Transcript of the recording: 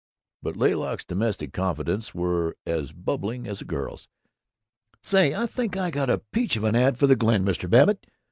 but Laylock's domestic confidences were as bubbling as a girl's. "Say, I think I got a peach of an ad for the Glen, Mr. Babbitt.